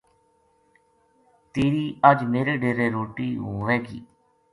تیری اج میرے ڈیرے روٹی ہوے گی‘‘